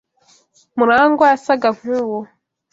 MuragwA yasaga nkuwo.